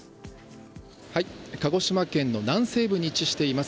鹿児島県の南西部に位置しています